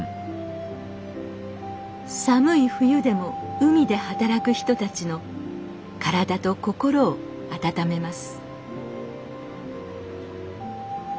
寒い冬でも海で働く人たちの体と心を温めます